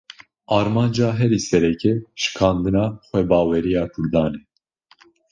Armanca herî sereke, şikandina xwebaweriya Kurdan e